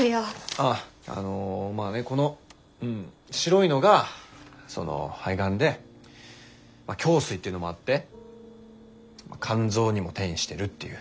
あっあのまあねこの白いのがその肺がんで胸水っていうのもあって肝臓にも転移してるっていう。